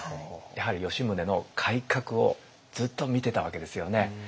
やはり吉宗の改革をずっと見てたわけですよね。